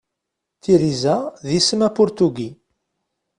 Tiriza d isem apurtugi.